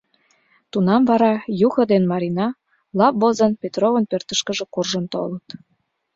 Тунам вара Юхо ден Марина лап возын Петровын пӧртышкыжӧ куржын толыт.